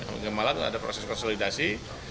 mungkin malam ada proses konsolidasi